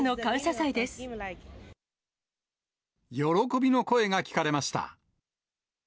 喜びの声が聞かれました。